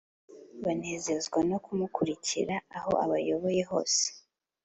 banezezwa no kumukurikira aho abayoboye hose